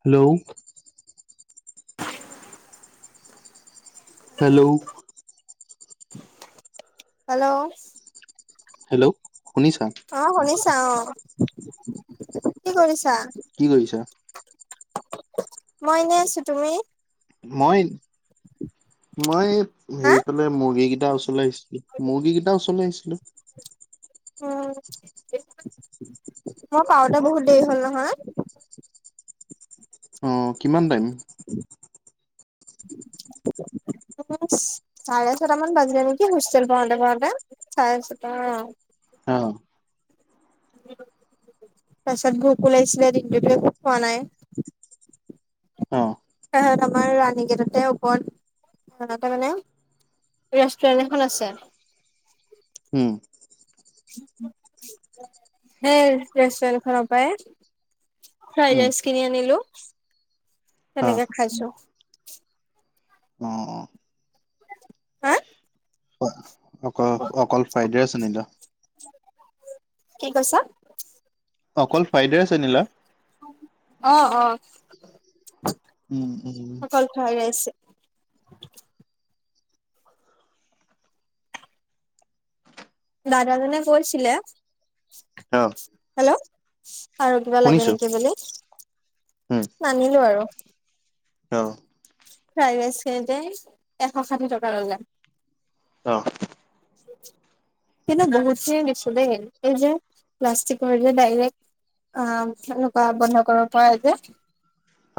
Hello. Hello. Hello. Hello. শুনিছা অ শুনিছা অ কি কৰিছ। কি কৰিছ? মই এনেই আছো তুমি মই মই হা সেইফালে মুৰ্গী কেইটা কেইটা ও চলাই আহিছিলো মুৰ্গী কেইটা উচলে আহিছিলো। উম মই পাওঁতে বহুত দেৰি হ'ল নহয়। আহ কিমান টাইম উ চাৰে ছটা মান বাজিলে নেকি হোষ্টেল পাওঁতে পাওঁতে চাৰে ছটা। অ। তছত গকুল আহছিলল ণ্ড খু ফনাই । অ ত আমাৰ ৰাণীকেততে ওপৰত সতে মানে। ৰেষ্টুৰেণ্ট এখন আছে। উম। সেই ৰেষ্টুট খনৰ পায়। উম ফ্ৰাইডেছ খিনি আনিলো অ তেনেকে খাইছো। অ হা। অ অকল অকল ফ্ৰাইডেচ আনিলা। কি কৈছা। অকল ফ্ৰাইডেছ আনিলা। অ অ উম উম অকল ফাইদেছ। দাদাজনে কৈছিলে অ হেল্ল'। আৰু কিবা লাগে শুনিছো নেকি বুলি উম নানিলো আৰু। অ। ফ্ৰাইড ৰাইচ খিনতে এশ ষাঠি টকা ললে। অ। তিনটো বহু খিনি নিছো দে এই যে প্লষ্টিক যে ডাইৰে্ট। অ এনেকুৱা বন্ধ কৰিব পৰা যে।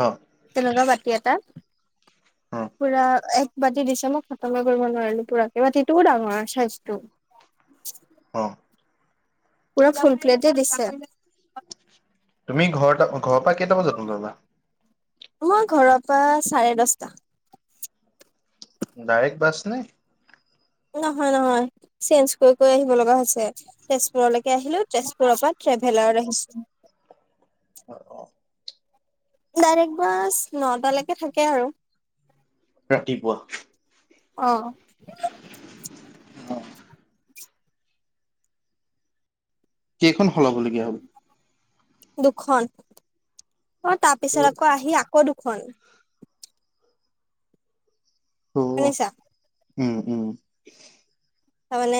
অ। তি এটা অ পুৰা । বাতি দিছ মই খতমে কৰিব নোৱাৰিলো পুৰাকৰাকে বাতিটোও ডাঙৰ চাইজটো। অ। পুৰা ফুল প্লেটেই দিছে। তুমি ঘৰতে ঘৰৰ পৰা কেইটা বজাত ওলাব। মই ঘৰৰ পৰা চাৰে দছটা। ডাইৰেক্ট বাস নে। নহয় নহয় চেঞ্জ কৰি কৰি আহিব লগা হৈছে তেজপুৰলৈকে আহিলো তেজপুৰৰ পৰা। তেভেলাও আহিছো। অ। ডাইৰেক্ট বা নটালৈকে থাকে আৰু। ৰাতিপুৱা। অহ। কেইখন সলাবলগীয়া হ'ল। দুখন অ তাৰপিছত আকৌ আহি আকৌ দুখন। অ শুনিছা। উম উম। তাৰমানে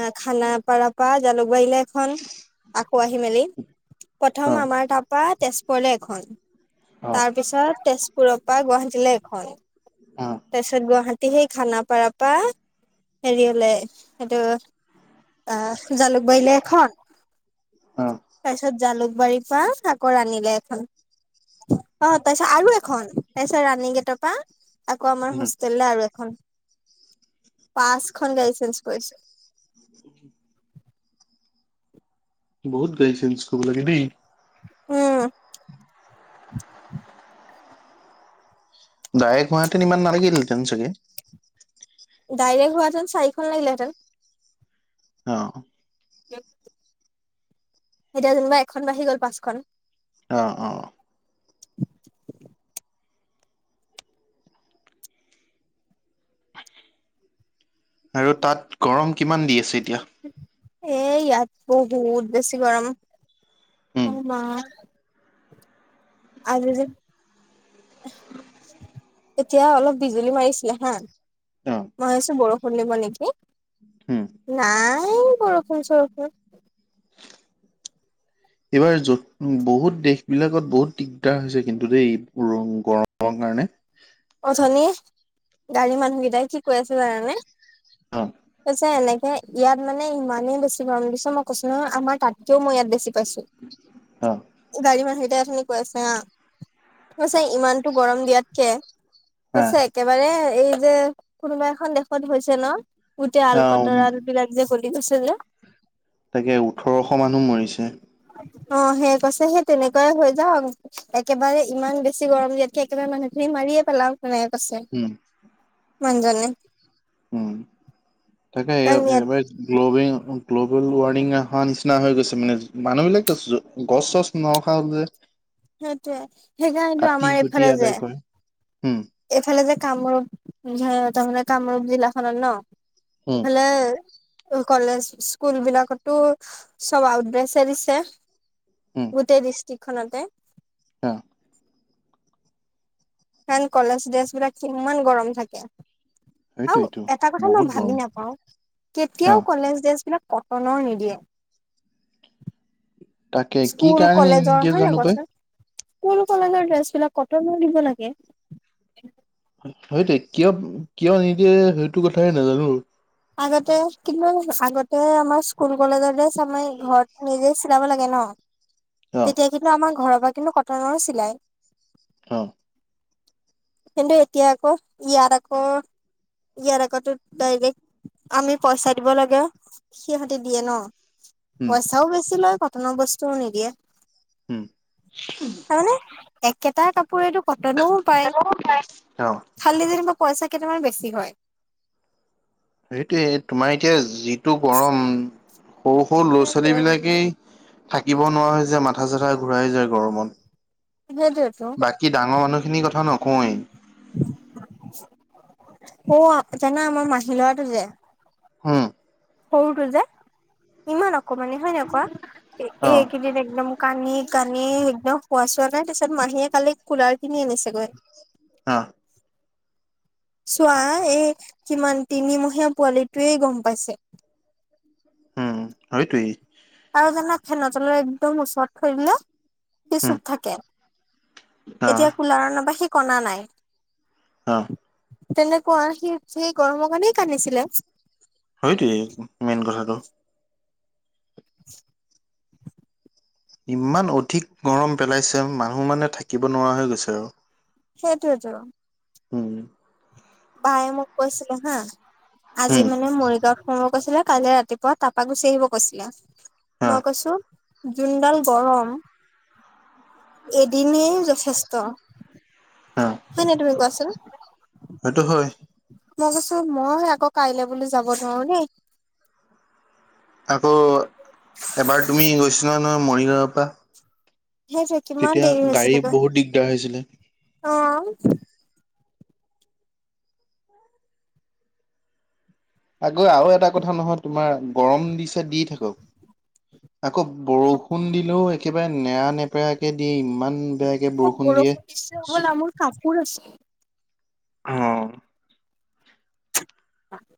আহ খানাপাৰা পৰা জালুকবাৰীলৈ এখন আকৌ আহি মেলি। প্ৰথম অ', আমাৰ তাপা তেজপুৰলে এখন অ', তাৰপিছত তেজপুৰ। সুৰৰ পৰা গুৱাহাটীলৈ এখন অ', তাৰপিছত গুৱাহাটীৰ। সেই খানাপাৰ পৰা হেৰি হলে। সেইটো আহ জালুকবাৰল এখন। অ', তাৰপিছত জালুকবাৰীৰ পৰা চাকৰ আনিলে এখন। অ তাৰপিছত আৰু এখন তাৰপিছত ৰাণী গেটৰ পৰা। আকৌ আমাৰ উম, হোষ্টেল আৰু এখন পাঁচখন গাইছে। তেছ কৰিছো। উঠ [unintelligible] বহুত গাড়ী চেঞ্জ কৰিব লাগে দেই। উম। ডাইৰেক্ট হাহতেন ইমান নালাগিল তেন চাগে। ডাইৰেক্ট হোৱাতেন চাৰিখন লাগিলেঁতেন। অ। একাত [unintelligible] এতিয়া যেনোিবা এখন বাঢ়ি গ'ল পাঁচখন। অ অ। আৰু তাত গৰম কিমান দি আছে এতিয়া। এ ইয়াত বহুত বেছি গৰম অ উম, মা। আৰু যে। উম। এতিয়া অলপ বিজুলী মাৰিছিলে হা অ', মই ভাবছো বৰষুণ দিব নেকি। উম। নাই বৰষুণ চৰষুণ। [unintelligible] এইবাৰ য বহুত দেশ বিলাকত বহুত দিগদাৰ হৈছে কিন্তু দেই গৰম। কাৰণে। অথনি গাড়ীৰ মানুহকেইটাই কি কৈ আছে জানে। অ', অ', ত চ লাইক। ইয়াত মানে ইমানেই বেছি গৰম বুলিছ মই কৈছো নহয় আমাৰ তাতকেও মই ইয়াত বেছি। পাইছো গাড়ী মানু সেইটাই আখিন কৈ আছে না। ছে ইমানতো গৰম হা দিয়াতকেছে একেবাৰে। এই যে কোনোবা এখন দেশত হৈছে ন গোটেই আল অ', কটৰাল বিলাক যে। গৈছে যে। তাকে ওঠৰশ মানুহ মৰিছে। অ সেই কৈছে সেই তেনেকুৱাই হৈ যাওক একেবাৰে ইমান বেছি গৰম ইিয়াতকে একেবাৰে মানুহ খিনি মাৰিয়ে। পলটো ন কছে উম, মজে। উ তাকেবাৰে ইয়াত গ্ব গ্লবেল ৱাৰ্মিং এ। নিচিনা হৈ গৈছে মানে মানুহবিলাকে গছ চছ নৰখা হল যে। সেইটয়ে সেইকাৰণটো কাটি আমাৰ কুটি এইফালে আদায় যে। কৰে উম এইফালে যে কামৰূপ তাৰানে কামৰূপ জিলা খনত ন। উম এইফালে। কলেজ স্কুল বিলাকতো সব উদ্ৰেচ দিছে। গোটেই ডিষ্ট্ৰিকখনতে। অহ ন কলেজ ড্ৰেছবিলাক কিমান গৰম থাকে । আৰু সেইটোৱেইটো এটা কথা মই বহুত গৰম ভাবি নাপাও অ কেতিয়াও কলেজ ড্ৰেছবিলাক কটনৰ নিদিয়ে তাকে কি স্কুল, কাৰণে কলেজৰ নিদিয়ে হয় নাই জানো কোৱা পাই চোন স্কুল, কলেজৰ ড্ৰেছবিলাক কটন দিব লাগে । সেইটোৱেই কিয় কিয় নিদিয়ে সেইটো কথাইে নাজানো । আগতে কিন্তু আগতে আমাৰ স্কুল, কলেজৰ ড্ৰেছ আমাৰ ঘৰ নিজে চিলাব লাগে ন। অ তেতিয়া কিন্তু আমাৰ ঘৰৰ পৰা কিন্তু কটনৰ চিলাই । অ কিন্তু এতিয়া আকৌ ইয়াৰ আকৌ ইয়াৰ আকৌ ডাইৰেক্ট । আমি পইচা দিব লাগে সিহঁতি দিয়ে ন উম পইচাও বেছি লয় । কটনৰ বস্তুও নিদিয়ে উম তাৰমানে একেটা কাপোৰ । কাপোৰেটো কটনও পায় অ খালী যেনিবা । পইচা কেইটামান বেছি হয় । সেইটোৱেই তোমাৰ এতিয়া যিটো গৰম সৰু-সৰু সেইটোৱে ল'ৰা-ছোৱালীবিলাকেই । থাকিব নোৱাৰা যে মাথা-চাথা ঘূৰাই যায় গৰমত । সেইটোৱেতো বাকী ডাঙৰ মানুহখিনিৰ কথা নকওঁৱেই । অ জানা আমাৰ মাহী লৰাটো যে হুম সৰুটো যে ইমান আকৌ মানে হয় নে কোৱা অ এইকেইদিন একদম কান্দি-কান্দি একদম খোৱা চোৱা নাই তাৰছত মাহীয়ে কালি কুলাৰ কিনি আনিছেগৈ হুম চোৱা এই কিমান তিনিমহীয়া পোৱালিটোৱেই গম পাইছে । উম সেইটোৱেই আৰু জানা ফেন তলৰ একদম ওচৰত থৈ দিলে সি উম চুপ থাকে। অ এতিয়া কুলাৰ অনা পৰা সি কন্দা নাই অ তেন্তে কোৱা সি সেই গৰমৰ কাৰণেই কান্দিছিলে । সেইটোৱেই মেইন কথাটো [unintelligible] ইমান অধিক গৰম পেলাইছে মানুহ মানে থাকিব নোৱাৰা হৈ গৈছে আৰু । সেইটোৱেইটো হম বায়ে মোক কৈছিলে হা আজি হম মানে মৰিগাঁও কৈছিলে কাইলে ৰাতিপুৱা তাৰপা গুচি আহিব কৈছিলে হা মই কৈছো জোনডাল গৰম এদিনেই যথেষ্ট হা হয় নাই তুমি কোৱা চোন সেইটো হয় মই কৈছো মই আকৌ কাইলৈ বুলি যাব নোৱাৰো দেই । আকৌ এবাৰ তুমি গৈছিলা নহয় মৰিগাঁৱৰ পৰা সেইটো কিমান তেতিয়া দেৰি গাড়ী হৈছিলে বহুত দিগদাৰ হৈছিলে অঁ আকৌ আৰু এটা কথা নহয় তোমাৰ গৰম দিছে দি থাকক আকৌ বৰষুণ দিলেও একেবাৰে নেৰা নেপেৰাকে দিয়ে ইমান বেয়াকে খব দিয়ে বৰষুণ দিছে হবলা মোৰ কাপোৰ আছে অ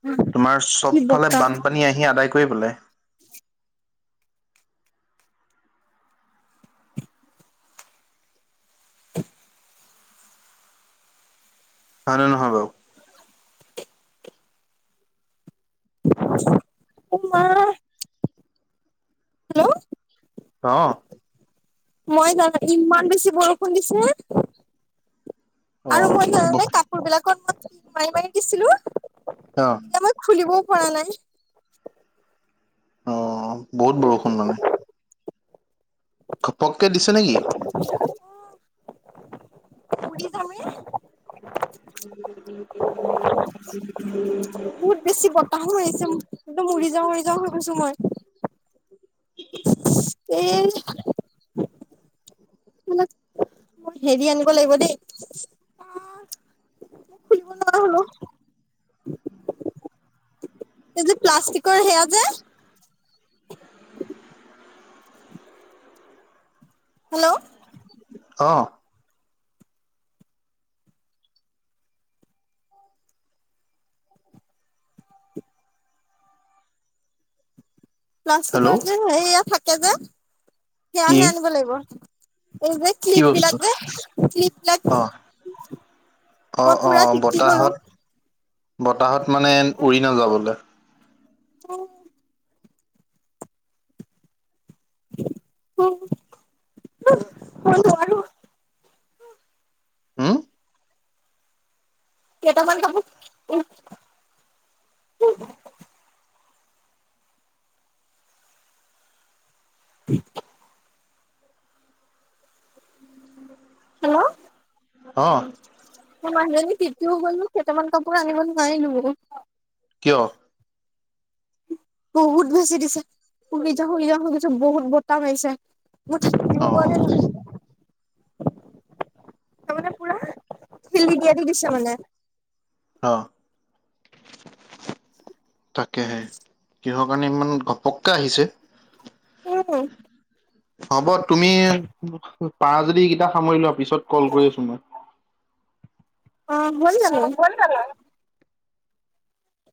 অ তোমাৰ চব ফালে বানপানী আহি আদায় কৰি পেলাই [inaudible] হয় নে নহয় বাৰু উম হেল্ল' অ মই জানো ইমান বেছি বৰষুণ দিছে হে অ আৰু মই ধৰে অ কাপোৰ বিলাক মই মাৰি মাৰি দিছিলো [unintelligible] এতিয়া মই খুলিবও পৰা নাই অ বহুত বৰষুণ মানে ঘপককে দিছে নেকি পুৰি খাবি [inaudible] বহুত বেছি বতাহো মাৰিছে একদম উৰি যাওঁ উৰি যাওঁ হৈ গৈছো মই [inaudible] এই মোৰ হেৰি আনিব লাগিব দেই মোক খুলিব নোৱাৰা হলো এই যে প্লাষ্টিকৰ সেয়া যে হেল্ল' অ হেল্ল' প্লাষ্টিকৰ যে সেয়া থাকে যে কি সেয়াহে আনিব লাগিব এই যে কি কিলিপ বস্তু? বিলাক যে ক্লিপ বিলাক অ', অ', মই পুৰা টিটি গলো তাহত মানে উৰি নাযাবলৈ [unintelligible] অ। অ অ মই নোৱাৰো [unintelligible] হুম কেইটা মান কাপো উ উ [unintelligible] [inaudible] হেল্ল' অ ম মানুহ জনী তিতিগলো কেইটামান কাপোৰ আনিব নোৱাৰিলো বোলো [unintelligible] কিয়? বহুত বেছি দিছে উৰি যাওঁ উৰি যাওঁ হৈগৈছে বহুত বতাহ আহিছে। মিব অ', [unintelligible] তাৰমানে পুৰা শিল দিয়াদি দিছে মানে [unintelligible] অ তাকেহে কিহৰ কাৰণে ইমান গ সক্কা আহিছে উম হব তুমি [unintelligible] পাৰা যদি এইকেইটা সামৰি লোৱা পিছত কল কৰি আছো মই অ হ'ল জানো ফোন কৰিব [unintelligible]